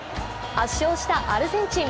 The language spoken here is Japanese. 圧勝したアルゼンチン。